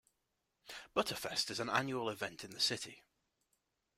Butterfest is an annual event in the city.